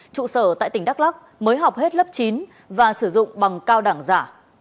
trụ sở tại tỉnh đắk lắc mới học hết lớp chín và sử dụng bằng cao đẳng giả